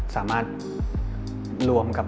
สามารถรวมกับ